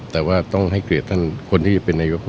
แต่ว่าต้องให้เกลียดท่านคนที่จะเป็นนายก